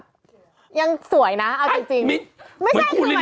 เป็นการกระตุ้นการไหลเวียนของเลือด